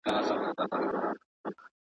ښايي بیا مو تر دې سخت سفر په خوا سي